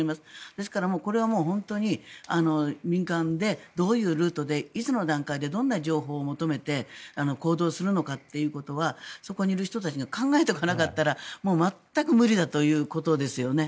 ですからこれは本当に民間で、どういうルートでいつの段階でどんな情報を求めて行動するのかということはそこにいる人たちのことを考えておかなかったらもう全く無理だということですよね。